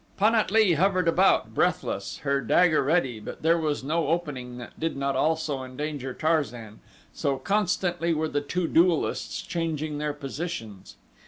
Pan at lee hovered about, breathless, her dagger ready, but there was no opening that did not also endanger Tarzan, so constantly were the two duelists changing their positions.